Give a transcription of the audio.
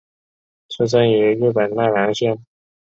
出身于日本奈良县。